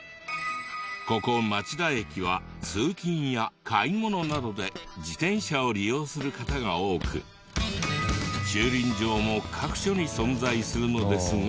ここ町田駅は通勤や買い物などで自転車を利用する方が多く駐輪場も各所に存在するのですが。